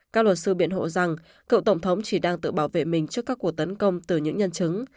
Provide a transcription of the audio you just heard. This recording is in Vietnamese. các luật sư biện hộ rằng cựu tổng thống chỉ đang tự bảo vệ mình trước các cuộc tấn công từ những nhân chứng